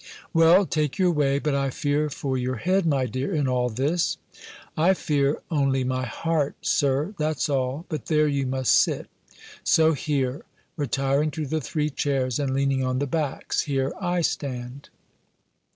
"Well, take your way; but I fear for your head, my dear, in all this." "I fear only my heart, Sir, that's all! but there you must sit So here," (retiring to the three chairs, and leaning on the backs,) "here I stand."